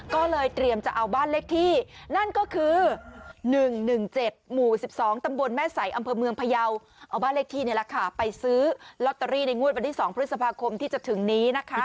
ก็เลยเตรียมจะเอาบ้านเลขที่นั่นก็คือ๑๑๗หมู่๑๒ตำบลแม่ใสอำเภอเมืองพยาวเอาบ้านเลขที่นี่แหละค่ะไปซื้อลอตเตอรี่ในงวดวันที่๒พฤษภาคมที่จะถึงนี้นะคะ